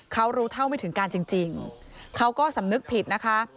เขารู้เท่าไม่ถึงการจริงเขาก็สำนึกผิดนะคะ